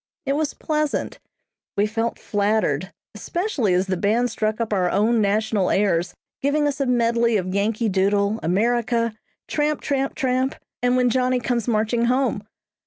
It was pleasant. We felt flattered, especially as the band struck up our own national airs, giving us a medley of "Yankee Doodle," "America," "Tramp, Tramp, Tramp," and "When Johnny Comes Marching Home."